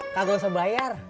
kagak usah bayar